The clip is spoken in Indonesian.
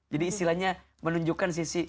jadi istilahnya menunjukkan sisi